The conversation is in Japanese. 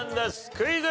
クイズ。